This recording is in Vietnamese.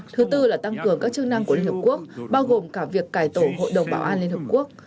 thứ tư là tăng cường các chức năng của liên hợp quốc bao gồm cả việc cải tổ hội đồng bảo an liên hợp quốc